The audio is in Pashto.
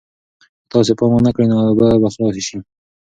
که تاسې پام ونه کړئ نو اوبه به خلاصې شي.